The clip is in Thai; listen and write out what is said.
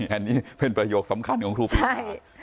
อันนี้เป็นประโยคสำคัญของครูปี